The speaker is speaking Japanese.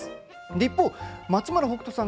一方松村北斗さん